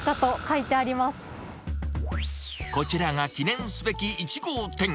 こちらが記念すべき１号店。